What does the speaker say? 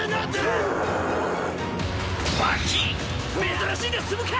珍しいで済むか！